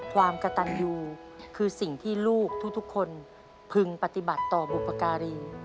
ความกระตันยูคือสิ่งที่ลูกทุกคนพึงปฏิบัติต่อบุปการี